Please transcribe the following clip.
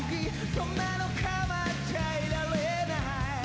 「そんなのかまっちゃいられない」